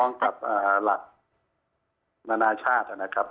ต่อตรงกับหลักนานาชาตินะครับ